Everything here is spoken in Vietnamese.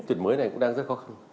tuyển mới này cũng đang rất khó khăn